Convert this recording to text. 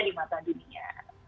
di mata dunia